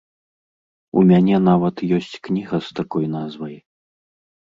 У мяне нават ёсць кніга з такой назвай.